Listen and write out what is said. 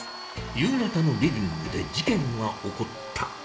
夕方のリビングで事件は起こった。